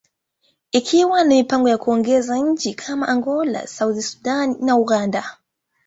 ikiwa na mipango ya kuongeza nchi kama Angola, South Sudan, and Uganda.